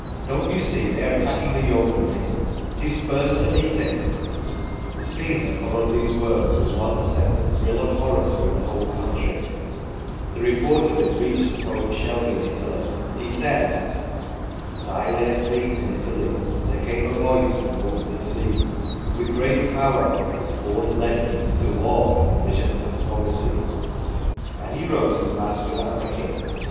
don't you see they are attacking the Yeomanry ? Disperse the meeting." The scene that followed these words was one that sent a thrill of horror through the whole country the report of it reached the poet Shelley in Italy, and he says : As I lay asleep in Italy, There came a Voice from over the sea, And with great power it forth led me To walk in the Visions of Poesy, THE FATEFUL DECISION 37 and he wrote his " Mask of Anarchy